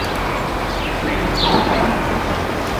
你唔早響？